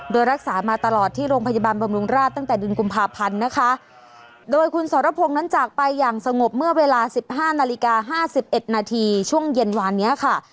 โดยรักษามาตลอดที่โรงพยาบาลบำรุงราชตั้งแต่เดือนกุมภาพันธ์นะคะโดยคุณสรพงศ์นั้นจากไปอย่างสงบเมื่อเวลาสิบห้านาฬิกาห้าสิบเอ็ดนาทีช่วงเย็นวานนี้ค่ะ